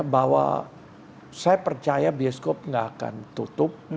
bahwa saya percaya bieskop gak akan tutup